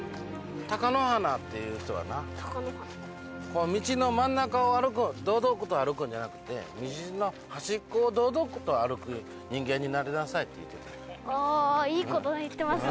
貴乃花っていう人はな道の真ん中を堂々と歩くんじゃなくて道の端っこを堂々と歩く人間になりなさいって言ってた。